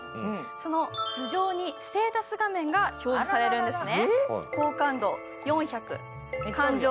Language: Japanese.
その頭上にステータス画面が表示されるんですね。